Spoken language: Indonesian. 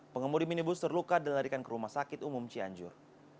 pengemudi minibus terluka dan larikan ke rumah sakit umum cianjur